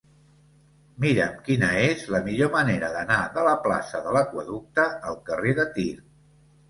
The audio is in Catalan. Mira'm quina és la millor manera d'anar de la plaça de l'Aqüeducte al carrer de Tir.